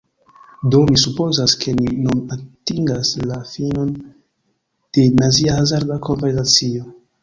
Do, mi supozas, ke ni nun atingas la finon de nia hazarda konversacio.